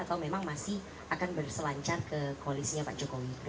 atau memang masih akan berselancar ke koalisinya pak jokowi